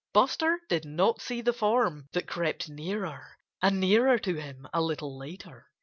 Buster did not see the form that crept nearer and nearer to him, a little later.